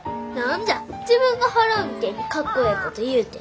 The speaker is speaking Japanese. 自分が払うみてえにかっこええこと言うて。